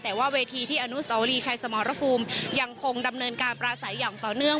แต่ว่าเวทีที่อนุสวรีชัยสมรภูมิยังคงดำเนินการปราศัยอย่างต่อเนื่อง